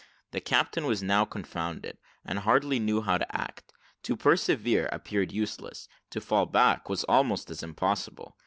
The captain was now confounded, and hardly knew how to act: to persevere, appeared useless to fall back, was almost as impossible.